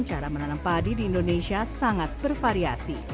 cara menanam padi di indonesia sangat bervariasi